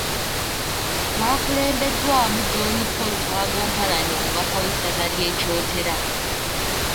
Baakulembeddwamu John Paul Lukwago Mpalanyi omubaka w’essaza ly’e Kyotera .